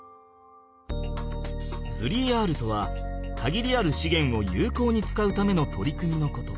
３Ｒとはかぎりあるしげんをゆうこうに使うための取り組みのこと。